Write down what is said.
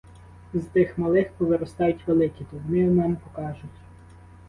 З тих малих повиростають великі, то вони нам покажуть.